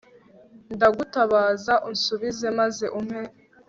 ndagutabaza, unsubize, maze umpe